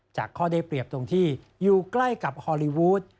ข้อได้เปรียบตรงที่อยู่ใกล้กับฮอลลีวูด